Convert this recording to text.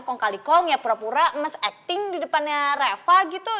kong kali kong ya pura pura mas acting di depannya reva gitu